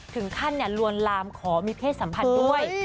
ถึงขั้นลวนลามขอมีเพศสัมพันธ์ด้วย